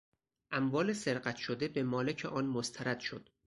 اموال سرقت شده به مالک آن مسترد شد.